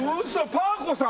パー子さん！